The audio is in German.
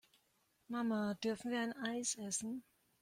Mama, dürfen wir ein Eis essen?